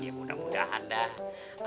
ya mudah mudahan dah